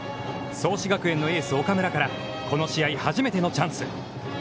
創志学園のエース岡村からこの試合初めてのチャンス。